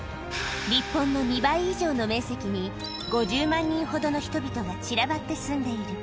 日本の２倍以上の面積に、５０万人ほどの人々が散らばって住んでいる。